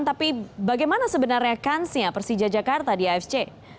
tapi bagaimana sebenarnya kansnya persija jakarta di afc